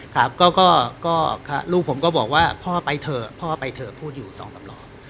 ครับก็ลูกผมก็บอกว่าพ่อไปเถอะพ่อไปเถอะพูดอยู่สองสำรอง